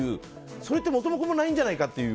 それって元も子もないんじゃないかっていう。